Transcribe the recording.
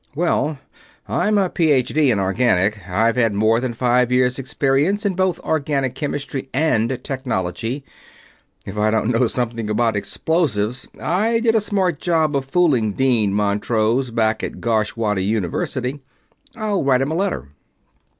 "Well, I'm a Ph.D. in Organic. I've had more than five years experience in both organic chemistry and technology. If I don't know something about explosives I did a smart job of fooling Dean Montrose, back at Gosh Whatta University. I'll write 'em a letter."